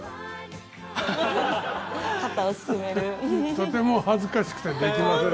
とても恥ずかしくてできません。